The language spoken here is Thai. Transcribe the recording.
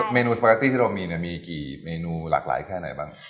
เมนูสปาร์ตี้ที่เรามีมีกี่เมนูหลากหลายแค่ไหนบ้าง